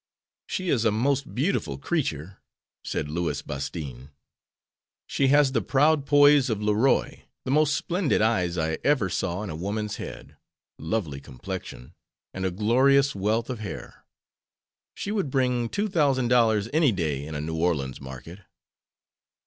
"She is a most beautiful creature," said Louis Bastine. "She has the proud poise of Leroy, the most splendid eyes I ever saw in a woman's head, lovely complexion, and a glorious wealth of hair. She would bring $2000 any day in a New Orleans market."